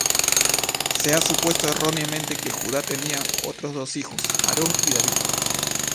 Se ha supuesto erróneamente que Judá tenía otros dos hijos, Aarón, y David.